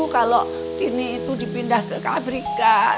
kalau cintini itu dipindah ke afrika